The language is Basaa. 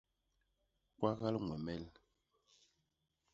Kwagal ñwemel.